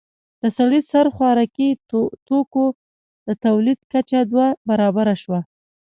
د سړي سر خوراکي توکو د تولید کچه دوه برابره شوه